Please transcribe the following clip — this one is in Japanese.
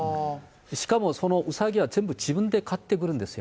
しかも、そのうさぎは全部自分で買ってくるんですよ。